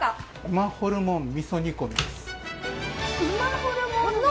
馬ホルモンみそ煮込みです。